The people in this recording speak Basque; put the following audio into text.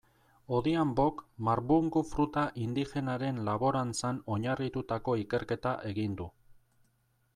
Odhiambok marbungu fruta indigenaren laborantzan oinarritututako ikerketa egin du.